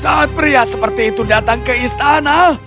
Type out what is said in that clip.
saat pria seperti itu datang ke istana